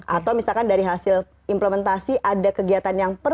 atau misalkan dari hasil implementasi ada kegiatan yang perlu